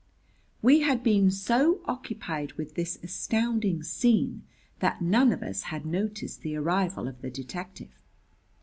We had been so occupied with this astounding scene that none of us had noticed the arrival of the detective.